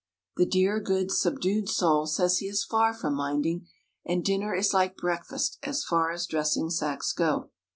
The dear, good, subdued soul says he is far from minding, and dinner is like breakfast as far as dressing sacks go.